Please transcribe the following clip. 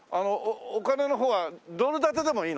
お金の方はドル建てでもいいの？